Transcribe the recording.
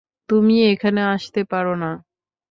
তুমি এখানে আসতে পারো না।